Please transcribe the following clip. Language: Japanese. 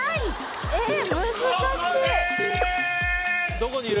どこにいる？